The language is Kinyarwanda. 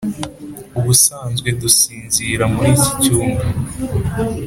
ubusanzwe dusinzira muri iki cyumba.